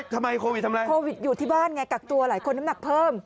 โควิดทำอะไรโควิดอยู่ที่บ้านไงกักตัวหลายคนน้ำหนักเพิ่ม